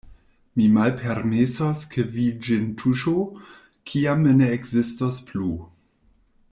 Mi malpermesos, ke vi ĝin tuŝu, kiam mi ne ekzistos plu.